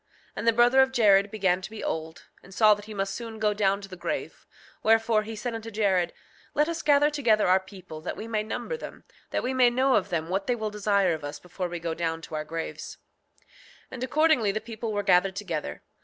6:19 And the brother of Jared began to be old, and saw that he must soon go down to the grave; wherefore he said unto Jared: Let us gather together our people that we may number them, that we may know of them what they will desire of us before we go down to our graves. 6:20 And accordingly the people were gathered together.